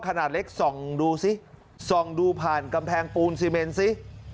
ขนาดเล็กส่องดูซิส่องดูผ่านกำแพงปูนซีเมนซิ